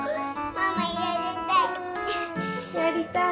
ママやりたい。